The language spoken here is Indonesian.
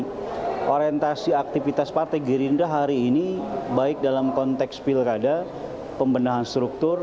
jadi orientasi aktivitas partai gerindra hari ini baik dalam konteks pilkada pembendahan struktur